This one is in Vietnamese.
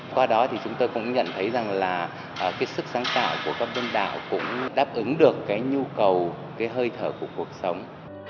qua đó thì chúng tôi cũng nhận thấy rằng là cái sức sáng tạo của các tôn đạo cũng đáp ứng được cái nhu cầu cái hơi thở của cuộc sống